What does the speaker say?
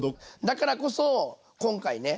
だからこそ今回ね